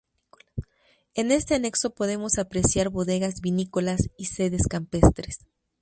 En este anexo podemos apreciar bodegas vinícolas y sedes campestres.